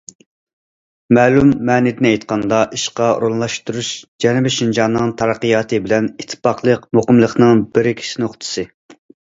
مەلۇم مەنىدىن ئېيتقاندا، ئىشقا ئورۇنلاشتۇرۇش جەنۇبىي شىنجاڭنىڭ تەرەققىياتى بىلەن ئىتتىپاقلىق، مۇقىملىقنىڭ بىرىكىش نۇقتىسى.